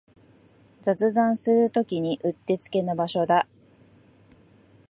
雑談するときにうってつけの場所だ